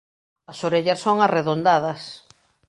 As orellas son arredondadas.